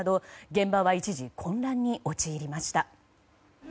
現場は一時混乱に陥りました。